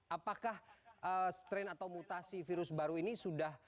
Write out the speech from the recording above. apakah strain atau mutasi virus baru ini sudah